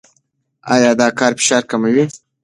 ایا دا کار فشار کموي؟